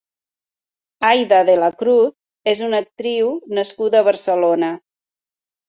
Aida de la Cruz és una actriu nascuda a Barcelona.